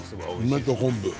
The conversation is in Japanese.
梅と塩昆布。